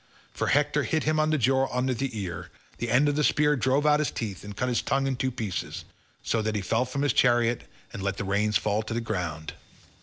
For Hector hit him on the jaw under the ear; the end of the spear drove out his teeth and cut his tongue in two pieces, so that he fell from his chariot and let the reins fall to the ground.